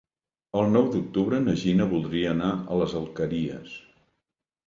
El nou d'octubre na Gina voldria anar a les Alqueries.